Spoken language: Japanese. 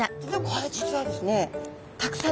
これ実はですね